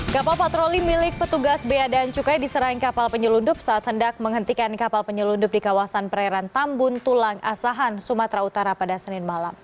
kapal patroli milik petugas bea dan cukai diserang kapal penyelundup saat hendak menghentikan kapal penyelundup di kawasan perairan tambun tulang asahan sumatera utara pada senin malam